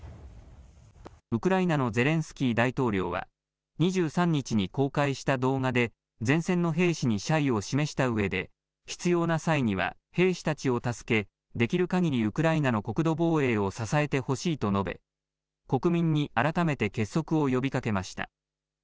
ウクライナのゼレンスキー大統領は２３日に公開した動画で前線の兵士に謝意を示したうえで必要な際には兵士たちを助けできるかぎりウクライナの国土防衛を支えてほしいと述べ国民に改めて結束を呼びかけました。